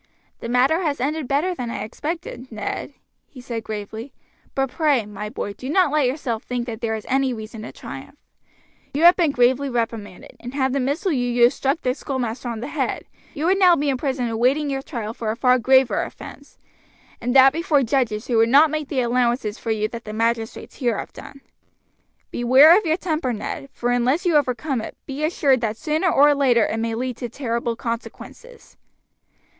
"The matter has ended better than I expected, Ned," he said gravely; "but pray, my boy, do not let yourself think that there is any reason for triumph. You have been gravely reprimanded, and had the missile you used struck the schoolmaster on the head, you would now be in prison awaiting your trial for a far graver offense, and that before judges who would not make the allowances for you that the magistrates here have done. "Beware of your temper, Ned, for unless you overcome it, be assured that sooner or later it may lead to terrible consequences."